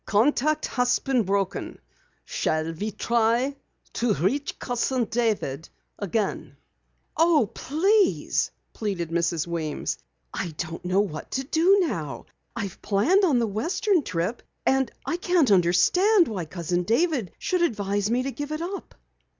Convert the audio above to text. "Contact has been broken. Shall we try to reach Cousin David again?" "Oh, please!" pleaded Mrs. Weems. "I don't know what to do now. I've planned on the western trip and I can't understand why Cousin David should advise me to give it up."